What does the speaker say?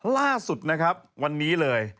ล่าสุดนะครับวันนี้เลย